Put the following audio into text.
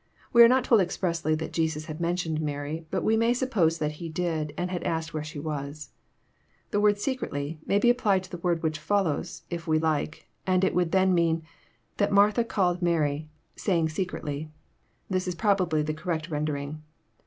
fWe are not told expressly that Jesus had men tioned Mary, but we may suppose that He did, and had asked where she was. \ The word '* secretly '* may be applied to the word which fol lows, if we like, and it would then mean that " Martha call^ Mary, saying secretly. This is probably the correct rendering.